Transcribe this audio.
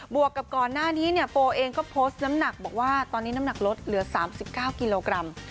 วกกับก่อนหน้านี้เนี่ยโปเองก็โพสต์น้ำหนักบอกว่าตอนนี้น้ำหนักลดเหลือ๓๙กิโลกรัม